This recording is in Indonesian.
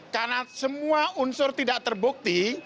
karena semua unsur tidak terbukti